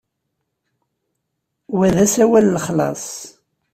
Wa d asawal n lexlaṣ.